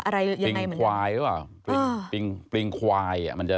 อะไรปริงควาย